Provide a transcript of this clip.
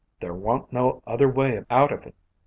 "There wa'n't no other way out of it.